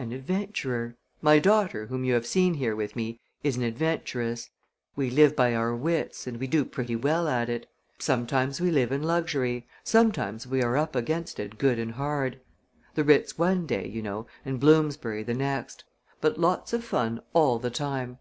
"An adventurer! My daughter, whom you have seen here with me, is an adventuress. We live by our wits and we do pretty well at it. Sometimes we live in luxury. Sometimes we are up against it good and hard. The Ritz one day, you know, and Bloomsbury the next; but lots of fun all the time."